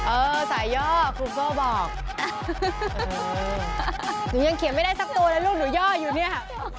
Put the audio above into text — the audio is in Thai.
เออสายย่อครูโบ้บอกหนูยังเขียนไม่ได้สักตัวเลยลูกหนูย่ออยู่เนี่ย